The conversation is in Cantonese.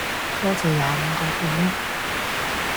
多謝廿五個半吖